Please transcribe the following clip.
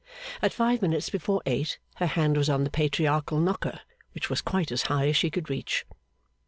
At five minutes before eight her hand was on the Patriarchal knocker, which was quite as high as she could reach.